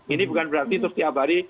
ini bukan berarti itu setiap hari